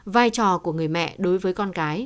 vai trò của người mẹ đối với con gái